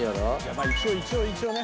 まあ一応一応一応ね。